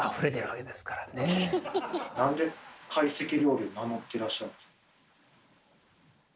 なんで懐石料理を名乗っていらっしゃるんですか？